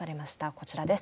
こちらです。